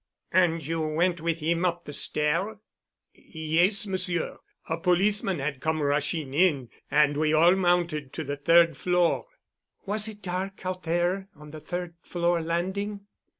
"And you went with him up the stair?" "Yes, Monsieur. A policeman had come rushing in, and we all mounted to the third floor." "Was it dark out there on the third floor landing?"